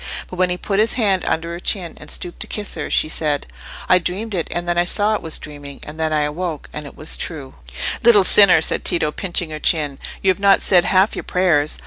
But when he put his hand under her chin, and stooped to kiss her, she said— "I dreamed it, and then I said it was dreaming—and then I awoke, and it was true." "Little sinner!" said Tito, pinching her chin, "you have not said half your prayers.